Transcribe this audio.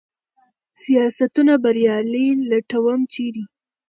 سیاستونه بریالي لټوم ، چېرې ؟